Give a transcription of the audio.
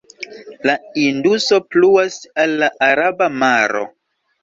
La Induso pluas al la Araba Maro.